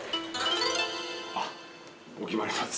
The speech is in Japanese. あっ。